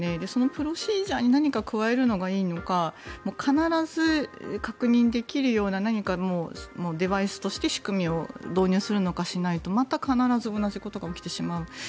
プロシージャーに何かを加えるのがいいのか必ず確認できるような何かデバイスとして仕組みを導入するとかしないとまた必ず同じことが起きてしまう。